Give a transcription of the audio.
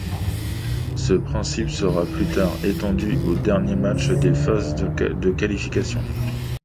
Ce principe sera plus tard étendu aux derniers matchs des phases de qualification.